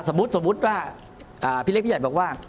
สมมุติว่าพี่เล็กพี่ใหญ่บอกว่า